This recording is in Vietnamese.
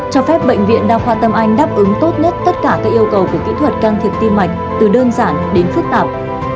cho phép bệnh viện đa khoa tâm anh đáp ứng tốt nhất tất cả các yêu cầu của kỹ thuật can thiệp tim mạch từ đơn giản đến phức tạp